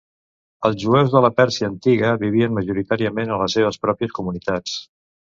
Els jueus de la Pèrsia antiga vivien majoritàriament a les seves pròpies comunitats.